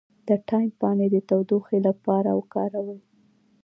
د تایم پاڼې د ټوخي لپاره وکاروئ